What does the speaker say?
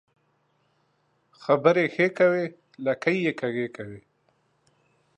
خبري ښې کوې ، لکۍ يې کږۍ کوې.